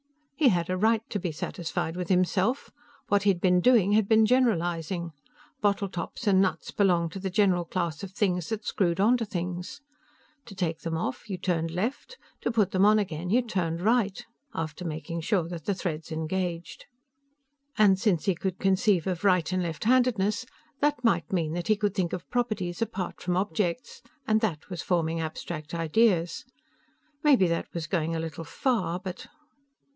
He had a right to be satisfied with himself. What he'd been doing had been generalizing. Bottle tops and nuts belonged to the general class of things that screwed onto things. To take them off, you turned left; to put them on again, you turned right, after making sure that the threads engaged. And since he could conceive of right and left handedness, that might mean that he could think of properties apart from objects, and that was forming abstract ideas. Maybe that was going a little far, but....